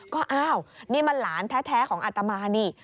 ก็อ้าวนี่มันหลานแท้ของอัตมานี่